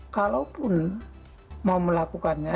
kalaupun mau melakukannya